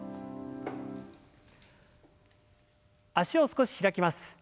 脚を少し開きます。